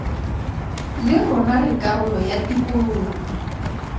Le rona re karolo ya tikologo!